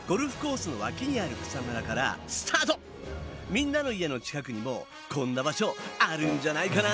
みんなの家の近くにもこんな場所あるんじゃないかな？